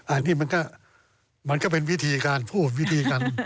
อันนี้ก็เป็นวิธีการพูดวิธีการ